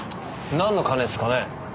なんの金っすかね？